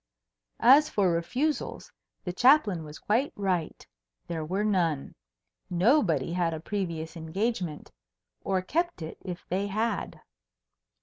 As for refusals, the Chaplain was quite right. There were none. Nobody had a previous engagement or kept it, if they had.